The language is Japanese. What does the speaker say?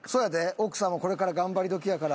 奥さんはこれから頑張り時やから。